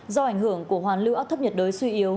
do ảnh hưởng của hoàn lựa thấp nhiệt đới suy